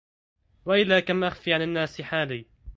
وإلى كم أخفي عن الناس حالي